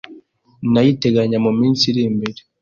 nayo iteganya mu minsi iri imbere